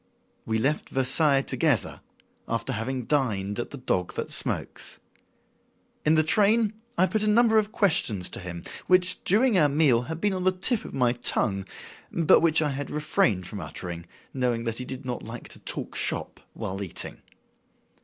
We left Versailles together, after having dined at "The Dog That Smokes." In the train I put a number of questions to him which, during our meal, had been on the tip of my tongue, but which I had refrained from uttering, knowing he did not like to talk "shop" while eating.